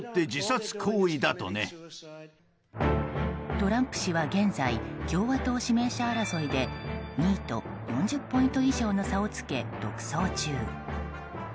トランプ氏は現在共和党指名者争いで２位と４０ポイント以上の差をつけ独走中。